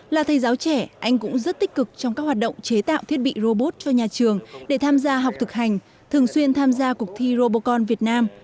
là thầy giáo trẻ anh cũng rất tích cực trong các hoạt động chế tạo thiết bị robot cho nhà trường để tham gia học thực hành thường xuyên tham gia cuộc thi robocon việt nam